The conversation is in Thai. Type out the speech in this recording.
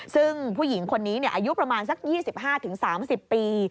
ซึ่งผู้หญิงคนนี้อายุประมาณสัก๒๕๓๐ปี